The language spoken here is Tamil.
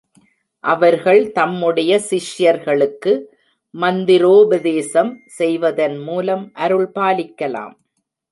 அவர்கள் தம்முடைய சிஷ்யர்களுக்கு மந்திரோபதேசம் செய்வதன் மூலம் அருள் பாலிக்கலாம்.